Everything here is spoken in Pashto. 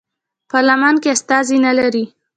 پارلمان کې استازي نه لرل.